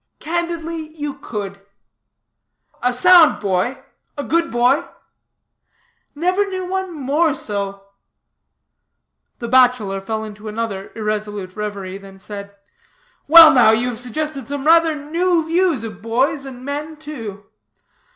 "Candidly, you could." "A sound boy? A good boy?" "Never knew one more so." The bachelor fell into another irresolute reverie; then said: "Well, now, you have suggested some rather new views of boys, and men, too.